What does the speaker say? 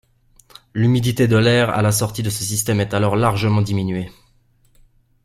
L’humidité de l’air à la sortie de ce système est alors largement diminuée.